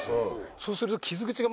そうすると。